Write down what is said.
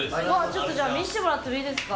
ちょっとじゃあ見せてもらってもいいですか？